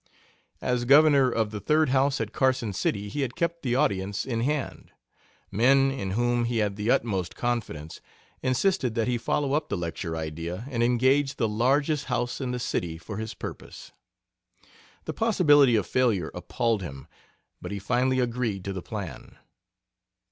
As Governor of the Third House at Carson City he had kept the audience in hand. Men in whom he had the utmost confidence insisted that he follow up the lecture idea and engage the largest house in the city for his purpose. The possibility of failure appalled him, but he finally agreed to the plan.